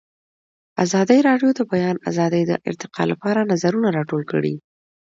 ازادي راډیو د د بیان آزادي د ارتقا لپاره نظرونه راټول کړي.